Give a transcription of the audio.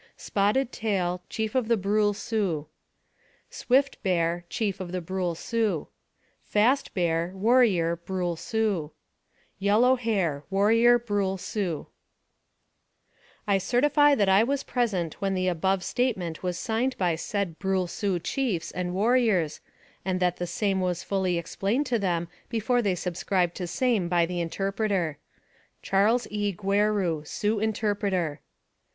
SPOTTED X TAIL, Chief of Brule Sioux. SWIFT X BEAR, Chief of Brule Sioux. FAST X BEAR, Warrior, Brule Sioux, YELLOW X HAIR, Warrior, Brule Sioux. 272 NAKRATIVE OF CAPTIVITY I certify that I was present when the above sta ~ ment was signed by said Brule Sioux chiefs and war riors, and that the same was fully explained to them before they subscribed to same by the interpreter. CHAS. E. GUERU, Sioux Interpreter.